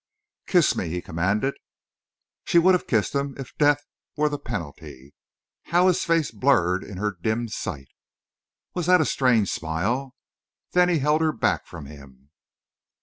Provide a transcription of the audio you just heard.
"Kiss me!" he commanded. She would have kissed him if death were the penalty. How his face blurred in her dimmed sight! Was that a strange smile? Then he held her back from him.